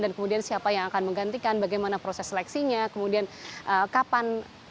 dan kemudian siapa yang akan menggantikan bagaimana proses seleksinya kemudian kapan hal ini akan diumumkan atau secara resmi